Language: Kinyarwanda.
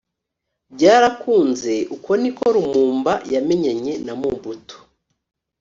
byarakunze. uko niko lumumba yamenyanye na mobutu.